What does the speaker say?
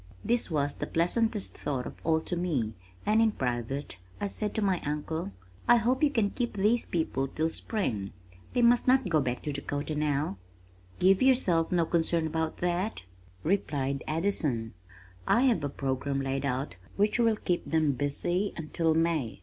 This was the pleasantest thought of all to me and in private I said to my uncle, "I hope you can keep these people till spring. They must not go back to Dakota now." "Give yourself no concern about that!" replied Addison. "I have a program laid out which will keep them busy until May.